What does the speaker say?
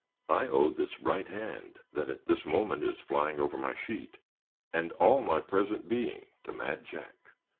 I owe this right hand, that at this moment is flying over my sheet, and all my present being to Mad Jack.